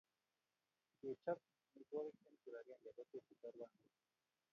Kechop amitwogik eng kipakenge kotechei chorwandit